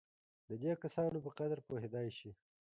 د دې کسانو په قدر پوهېدای شي.